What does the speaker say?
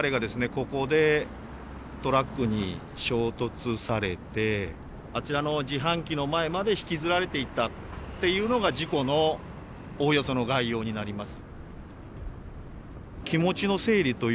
ここでトラックに衝突されてあちらの自販機の前まで引きずられていったっていうのが事故のおおよその概要になります。